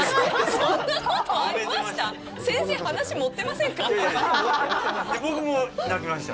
そんなことありました？